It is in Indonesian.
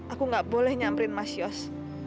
aku gak boleh nyamperin mas yos